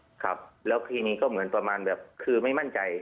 ครับแล้วทีนี้ก็เหมือนประมาณแบบคือไม่มั่นใจ